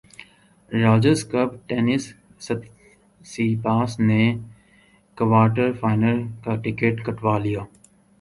Rogers Cup tennis Tsitsipas نے quarter final کا ticket کٹوا لیا